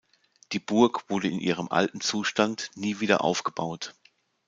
Die Burg wurde in ihrem alten Zustand nie wieder aufgebaut.